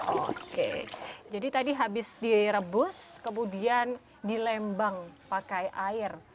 oke jadi tadi habis direbus kemudian dilembang pakai air